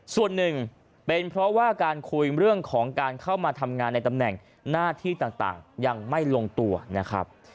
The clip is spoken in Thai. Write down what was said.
ส่วนหนึ่งเป็นเพราะว่าการคุยเรื่องของการเข้ามาทำงานในตำแหน่งหน้าที่ต่างยังไม่ลงตัวนะครับ